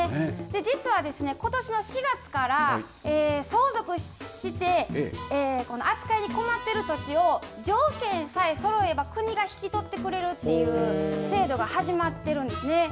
実はことしの４月から相続して扱いに困っている土地を条件さえそろえば国が引き取ってくれるという制度が始まってるんですね。